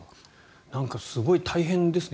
なんか、すごい大変ですね。